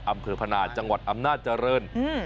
อำเครภานะท์จังหวัดอำนาจริง